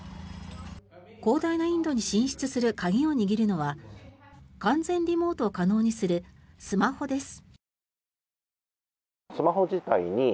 広大なインドに進出する鍵を握るのは完全リモートを可能にするスマホです。